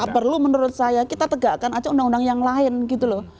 perlu menurut saya kita tegakkan aja undang undang yang lain gitu loh